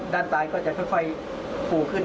ด้านซ้ายก็จะค่อยฟูขึ้น